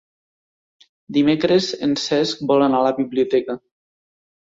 Dimecres en Cesc vol anar a la biblioteca.